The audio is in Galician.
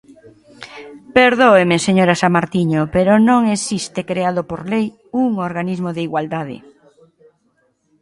Perdóeme, señora Samartiño, pero non existe creado por lei un organismo de igualdade.